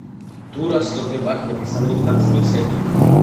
დურასნოს დეპარტამენტის ადმინისტრაციული ცენტრი.